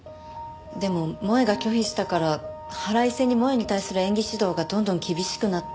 でも萌絵が拒否したから腹いせに萌絵に対する演技指導がどんどん厳しくなって。